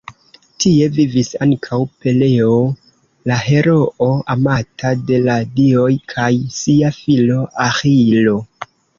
Tie vivis ankaŭ Peleo, la heroo amata de la dioj, kaj sia filo Aĥilo.